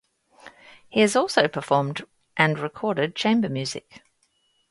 He has also performed and recorded chamber music.